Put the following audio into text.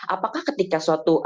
apakah ketika suatu